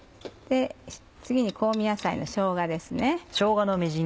次に香味野菜のしょうがです。